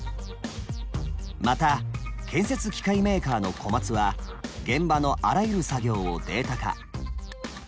また建設機械メーカーのコマツは現場のあらゆる作業をデータ化。